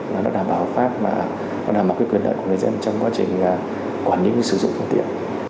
và nó đảm bảo pháp và quyền lợi của người dân trong quá trình quản lý và sử dụng phương tiện